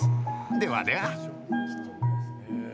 ではでは。